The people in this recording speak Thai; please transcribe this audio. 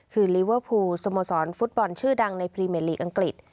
คือลิเวอร์พูลสโมสรฟุตบอลชื่อดังในพรีเมลีกอังกฤษ